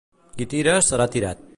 Qui tira serà tirat.